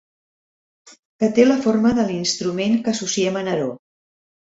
Que té la forma de l'instrument que associem a Neró.